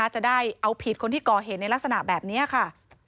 จะได้เอาผิดคนที่ก่อเหตุในลักษณะแบบนี้ค่ะ